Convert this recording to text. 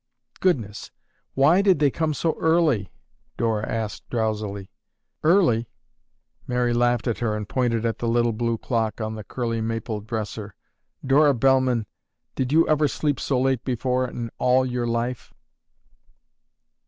"Goodness, why did they come so early?" Dora asked drowsily. "Early!" Mary laughed at her and pointed at the little blue clock on the curly maple dresser. "Dora Bellman, did you ever sleep so late before in all your life?"